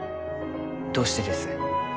どうしてです？